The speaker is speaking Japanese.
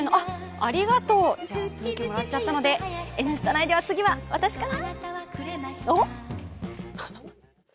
ありがとう、もらっちゃったので、「Ｎスタ」内では次は私かな？